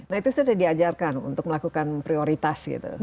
nah itu sudah diajarkan untuk melakukan prioritas gitu